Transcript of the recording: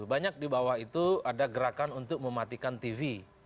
banyak di bawah itu ada gerakan untuk mematikan tv